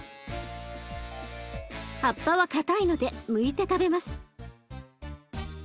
葉っぱは硬いのでむいて食べます。